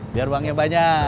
biar uangnya banyak